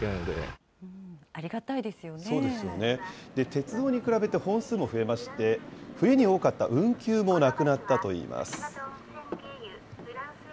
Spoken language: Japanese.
鉄道に比べて本数も増えまして、冬に多かった運休もなくなったといいます。